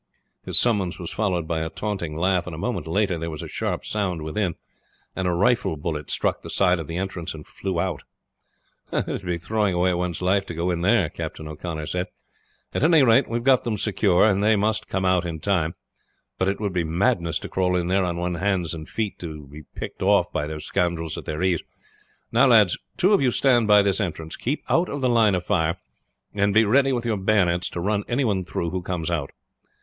His summons was followed by a taunting laugh; and a moment later there was a sharp sound within, and a rifle bullet struck the side of the entrance and flew out. "It would be throwing away one's life to go in there," Captain O'Connor said. "At any rate we have got them secure, and they must come out in time. But it would be madness to crawl in there on one's hands and feet to be picked off by those scoundrels at their ease. Now, lads, two of you stand by this entrance. Keep out of the line of fire, and be ready with your bayonets to run any one through who comes out.